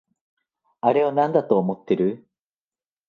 あれをなんだと思ってる？